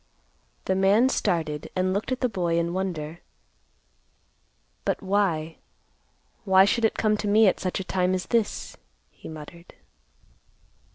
The man started and looked at the boy in wonder; "But why, why should it come to me at such a time as this?" he muttered.